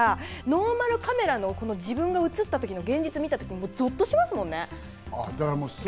ノーマルカメラの自分が写った時の現実を見たときにぞっとしますもんね。